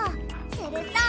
すると。